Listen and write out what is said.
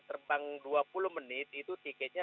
terbang dua puluh menit itu tiketnya